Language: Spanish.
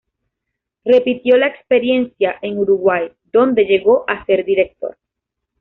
Repitió la experiencia en Uruguay, donde llegó a ser director.